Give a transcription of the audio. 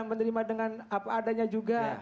menerima dengan apa adanya juga